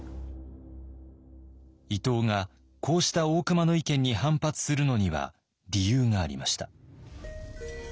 伊藤がこうした大隈の意見に反発するのには理由がありました。